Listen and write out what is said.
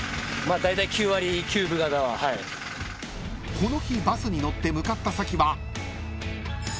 ［この日バスに乗って向かった先は］